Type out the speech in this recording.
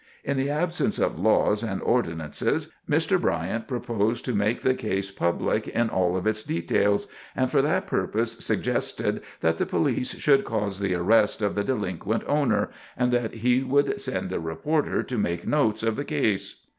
In the absence of laws and ordinances, Mr. Bryant proposed to make the case public in all of its details, and for that purpose suggested that the police should cause the arrest of the delinquent owner, and he would send a reporter to make notes of the case.